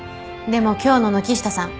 でも今日の軒下さん